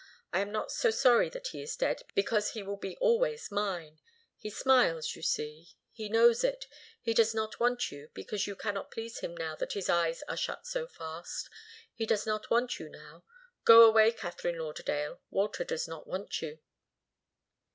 I am not so sorry that he is dead, because he will be always mine. He smiles, you see. He knows it. He does not want you, because you cannot please him now that his eyes are shut so fast. He does not want you now. Go away, Katharine Lauderdale. Walter does not want you."